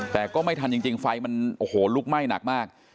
แต่ก็ไม่ทันจริงไฟมันโอ้โหลุกไหม้หนักมาก